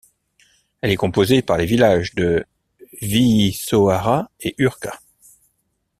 Elle est composée par les villages de Viișoara et Urca.